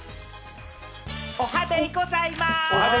おはデイございます！